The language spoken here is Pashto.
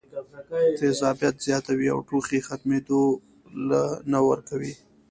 تېزابيت زياتوي او ټوخی ختمېدو له نۀ ورکوي